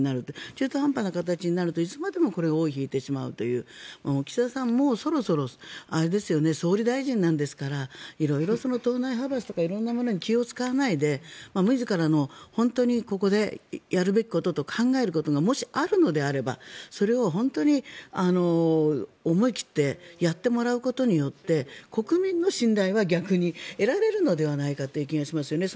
中途半端な形になるといつまでも尾を引いてしまうという岸田さんはもうそろそろ総理大臣なんですから色々と党内派閥とか色んなものに気を使わないで自らのやるべきことや考えることがもしあるのであればそれを本当に思い切ってやってもらうことによって国民の信頼は逆に得られるのではないかという気がしますよね。